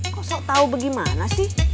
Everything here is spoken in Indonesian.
kok sok tau bagaimana sih